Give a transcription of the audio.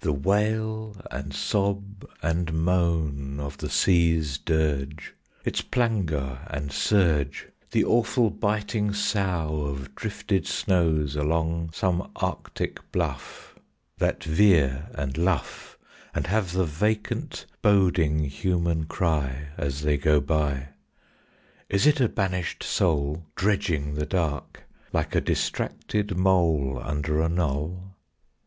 The wail and sob and moan of the sea's dirge, Its plangor and surge; The awful biting sough Of drifted snows along some arctic bluff, That veer and luff, And have the vacant boding human cry, As they go by; Is it a banished soul Dredging the dark like a distracted mole Under a knoll?